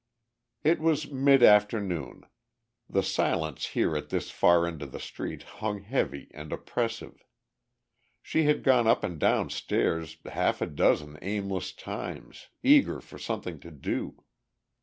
It was midafternoon. The silence here at this far end of the street hung heavy and oppressive. She had gone up and down stairs half a dozen aimless times, eager for something to do.